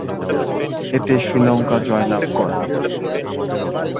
এতে শ্রীলঙ্কা জয়লাভ করে।